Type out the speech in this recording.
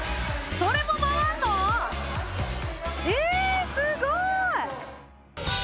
それも回んの⁉えすごい！